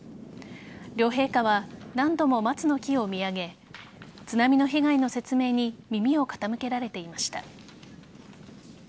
両陛下は何度も松の木を見上げ津波の被害の説明に耳を傾けられていました。